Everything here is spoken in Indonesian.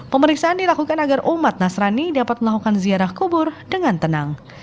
pemeriksaan dilakukan agar umat nasrani dapat melakukan ziarah kubur dengan tenang